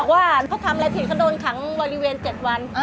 ว่าเขาทำอะไรผิดเขาโดนขังบริเวณ๗วัน